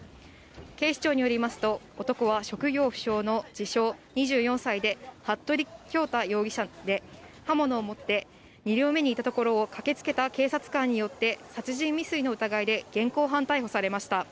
警視庁によりますと、男は職業不詳の自称２４歳で、服部恭太容疑者で、刃物を持って、２両目にいたところを駆けつけた警察官によって、殺人未遂の疑いで現行犯逮捕されました。